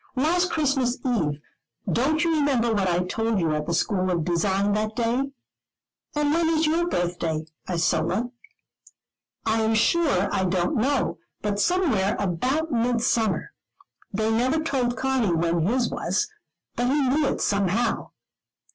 "Last Christmas Eve. Don't you remember what I told you at the school of design that day?" "And when is your birthday, Isola?" "I am sure I don't know, but somewhere about Midsummer. They never told Conny when his was, but he knew it somehow.